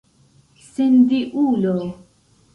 sendiulo